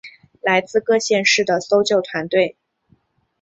来自各县市的搜救团队